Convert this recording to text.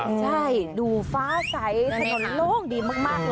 ใช่ดูฟ้าใสถนนโล่งดีมากเลย